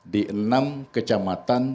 di enam kecamatan